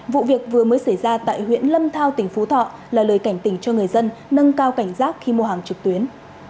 vụ việc vừa mới xảy ra tại huyện lâm thao tỉnh phú thọ là lời cảnh tỉnh cho người dân nâng cao cảnh giác khi mua hàng trực tuyến